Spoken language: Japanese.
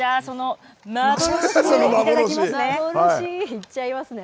いっちゃいますね。